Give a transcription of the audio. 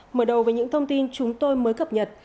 mở đầu với những thông tin chúng tôi mới cập nhật